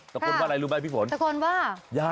ตะโกนอะไรลูกมายพี่ฝนตะโกนว่า